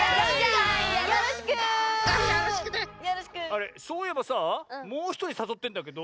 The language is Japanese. あれそういえばさぁもうひとりさそってんだけど。